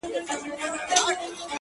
نشه لري مستي لري په عیبو کي یې نه یم,